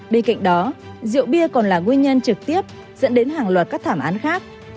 bên cạnh đó rượu bia còn là nguyên nhân trực tiếp dẫn đến hàng loạt các thảm án khác